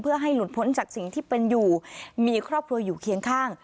เพื่อให้หลุดพ้นจากสิ่งที่เป็นอยู่มีครอบครัวอยู่เคียงข้าง